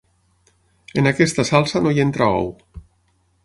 En aquesta salsa no hi entra ou.